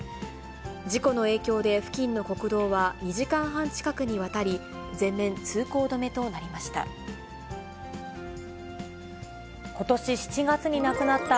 事故の影響で、付近の国道は２時間半近くにわたり、全面通行止めとなりました。